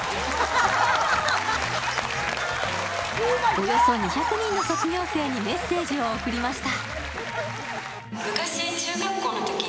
およそ２００人の卒業生にメッセージを送りました。